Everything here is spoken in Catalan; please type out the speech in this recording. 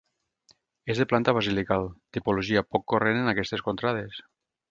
És de planta basilical, tipologia poc corrent en aquestes contrades.